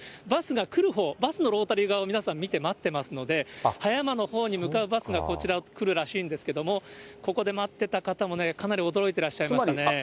バスが来るほう、バスのロータリー側を皆さん、見て待っていますので、葉山のほうに向かうバスが、こちら来るらしいんですけども、ここで待っていた方もね、かなり驚いてらっしゃいましたね。